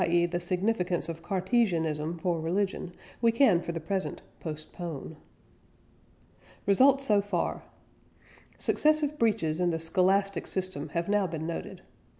e. the significance of Cartesianism for religion, we can for the present postpone. RESULTS SO FAR. Successive breaches in the Scholastic system have now been noted.